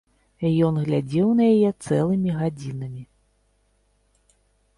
Ён глядзеў на яе цэлымі гадзінамі.